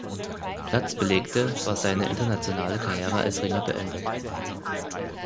Platz belegte, war seine internationale Karriere als Ringer beendet.